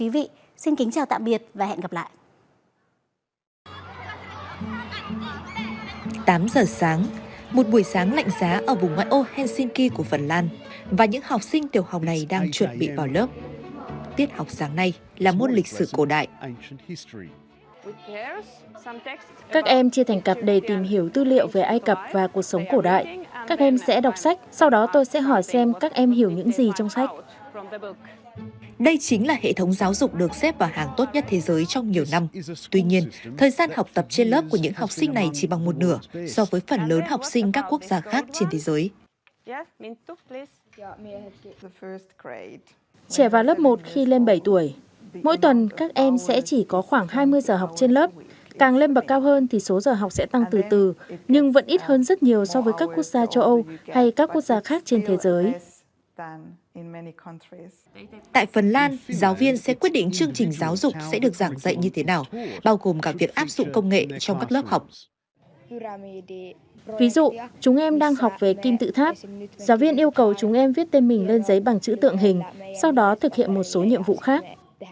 ví dụ chúng em đang học về kinh tự tháp giáo viên yêu cầu chúng em viết tên mình lên giấy bằng chữ tượng hình sau đó thực hiện một số nhiệm vụ khác